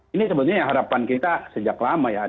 ini sebetulnya harapan kita sejak lama ya